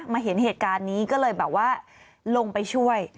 เห็นเหตุการณ์นี้ก็เลยแบบว่าลงไปช่วย